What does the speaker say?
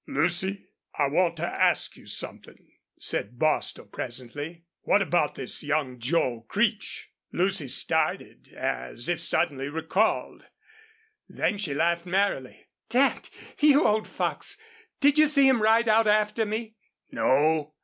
"Lucy, I want to ask you somethin'," said Bostil, presently. "What about this young Joel Creech?" Lucy started as if suddenly recalled, then she laughed merrily. "Dad, you old fox, did you see him ride out after me?" "No.